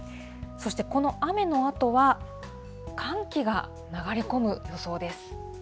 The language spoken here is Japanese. そしてこの雨のあとは、寒気が流れ込む予想です。